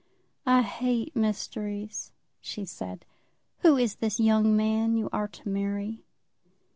"I hate mysteries," she said. "Who is the young man you are to marry?"